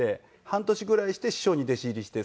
半年ぐらいして師匠に弟子入りして。